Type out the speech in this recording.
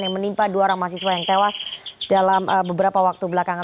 yang menimpa dua orang mahasiswa yang tewas dalam beberapa waktu belakangan